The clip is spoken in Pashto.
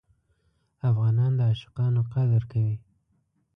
افغانان د عاشقانو قدر کوي.